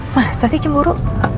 masa sih cemburu